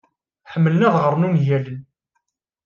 Ḥemmlen ad ɣren ungalen.